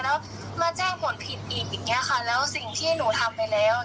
แล้วมาแจ้งผลผิดอีกแล้วสิ่งที่หนูทำไปแล้ว